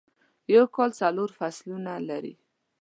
یوکال څلور فصلونه لری